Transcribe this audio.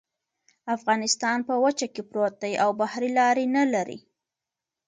افغانستان په وچه کې پروت دی او بحري لارې نلري